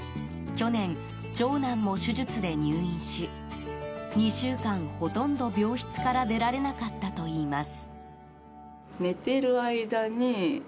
去年、長男も手術で入院し２週間、ほとんど病室から出られなかったといいます。